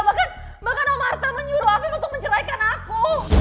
bahkan bahkan om arta menyuruh afik untuk menceraikan aku